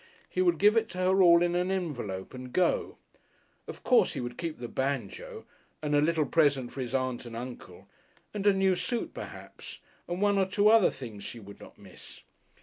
He would give it to her all in an envelope and go. Of course he would keep the banjo and a little present for his Aunt and Uncle and a new suit perhaps and one or two other things she would not miss.